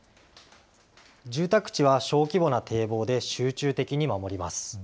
住宅地は小規模な堤防で集中的に守ります。